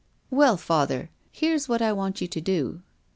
"Well, father, here's what I want you to do."